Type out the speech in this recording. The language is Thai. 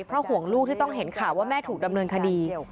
เพราะห่วงลูกที่ต้องเห็นข่าวว่าแม่ถูกดำเนินคดี